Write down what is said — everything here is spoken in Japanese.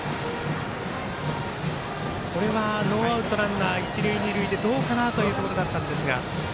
これは、ノーアウトランナー、一塁二塁でどうかなというところだったんですが。